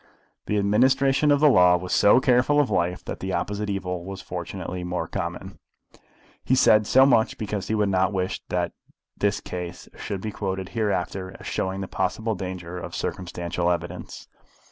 The administration of the law was so careful of life that the opposite evil was fortunately more common. He said so much because he would not wish that this case should be quoted hereafter as showing the possible danger of circumstantial evidence.